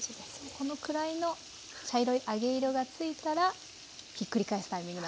このくらいの茶色い揚げ色が付いたらひっくり返すタイミングなんですね。